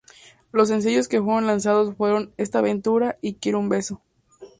Los sencillos que fueron lanzados fueron "Esta Aventura" y "Quiero Un Beso.